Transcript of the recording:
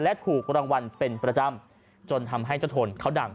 และถูกรางวัลเป็นประจำจนทำให้เจ้าทนเขาดัง